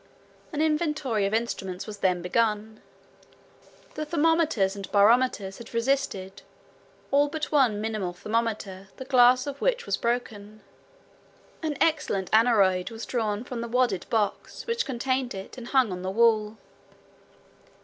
An inventory of instruments was then begun. The thermometers and barometers had resisted, all but one minimum thermometer, the glass of which was broken. An excellent aneroid was drawn from the wadded box which contained it and hung on the wall.